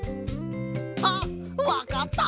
あっわかった！